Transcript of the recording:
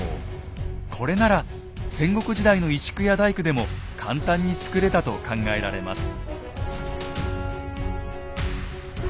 これなら戦国時代の石工や大工でも簡単に作れたと考えられます。